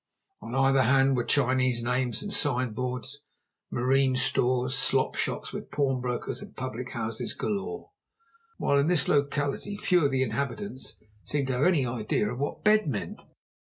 On either hand were Chinese names and sign boards, marine stores, slop shops, with pawnbrokers and public houses galore; while in this locality few of the inhabitants seemed to have any idea of what bed meant.